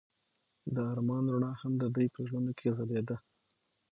د آرمان رڼا هم د دوی په زړونو کې ځلېده.